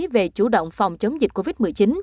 về chủ động phòng chống dịch covid một mươi chín